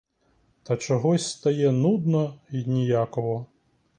Та чогось стає нудно й ніяково.